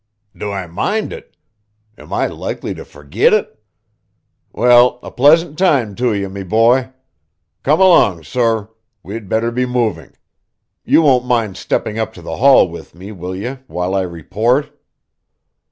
"Do I mind it? Am I likely to forgit it? Well, a pleasant time to you, me boy. Come along, sor. We'd better be moving. You won't mind stepping up to the hall with me, will ye, while I report?"